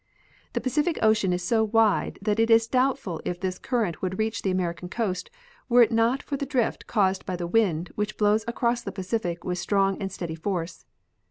The Pacific ocean is so wide that it is doubtful if this current would reach the American coast were it not for the drift caused by the wind which blows across the Pacific with strong and steady force.